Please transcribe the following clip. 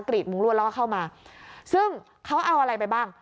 รีดมุ้งรวดแล้วก็เข้ามาซึ่งเขาเอาอะไรไปบ้าง